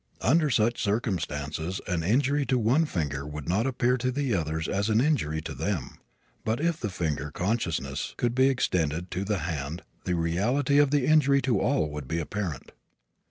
Under such circumstances an injury to one finger would not appear to the others as an injury to them, but if the finger consciousness could be extended to the hand the reality of the injury to all would be apparent.